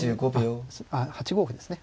あっ８五歩ですね。